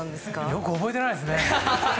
よく覚えていないですね。